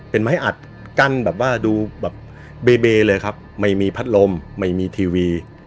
เป็นไม้อัดกั้นแบบว่าดูแบบเบเลยครับไม่มีพัดลมไม่มีทีวี